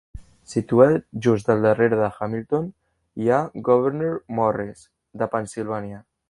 Situat just al darrere de Hamilton, hi ha Gouverneur Morris, de Pennsilvània.